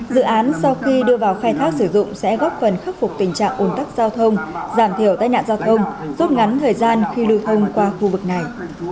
dự án sau khi đưa vào khai thác sử dụng sẽ góp phần khắc phục tình trạng ồn tắc giao thông giảm thiểu tai nạn giao thông rút ngắn thời gian khi lưu thông qua khu vực này